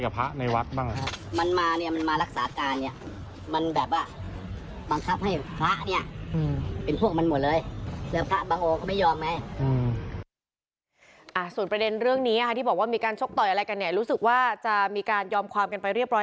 เค้ามีเรื่องอะไรกับพระในวัดบ้าง